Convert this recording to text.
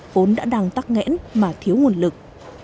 vốn đã đang tắc nghẽn mà thiếu nguồn lực